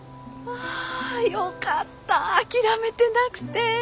はぁよかった諦めてなくて。